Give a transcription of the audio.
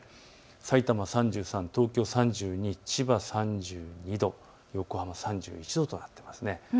さいたま３３度、東京３２度、千葉３２度、横浜３１度となっています。